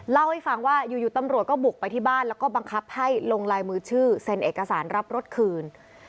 เล่าให้ฟังว่าอยู่ตำรวจก็บุกไปที่บ้านแล้วก็บังคับให้ลงลายมือชื่อเซ็นเอกสารรับรถคืน